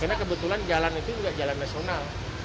karena kebetulan jalan itu juga jalan nasional